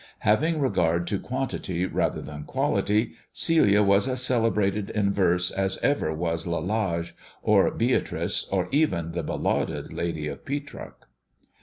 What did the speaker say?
Having regard to quantity rather than quality, ^lia was as celebrated in verse as ever was Lalage, or ^trice, or even the belauded lady of Petrarch.